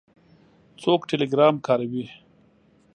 څوک ټیلیګرام کاروي؟